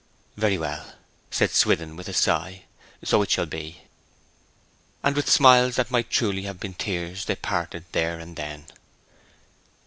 'Very well,' said Swithin, with a sigh. 'So it shall be.' And with smiles that might more truly have been tears they parted there and then.